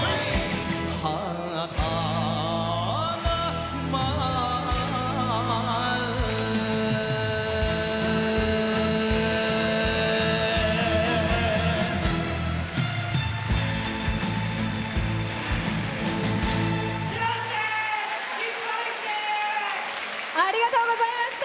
旗が舞うありがとうございました。